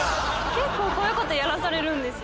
結構こういうことやらされるんですよ。